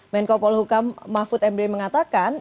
menko polhukam mahfud m b mengatakan